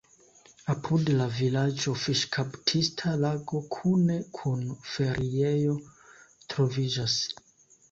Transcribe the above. Apud la vilaĝo fiŝkaptista lago kune kun feriejo troviĝas.